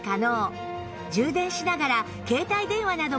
充電しながら携帯電話なども使えます